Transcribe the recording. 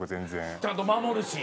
ちゃんと守るし。